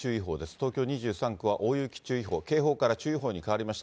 東京２３区は大雪注意報、警報から注意報に変わりました。